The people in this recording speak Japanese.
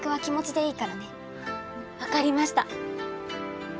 分かりました。